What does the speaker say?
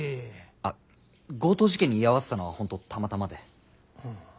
あっ強盗事件に居合わせたのは本当たまたまで。